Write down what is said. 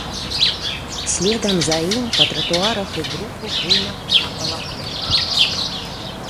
Следам за ім па тратуарах і бруку буйна капала кроў.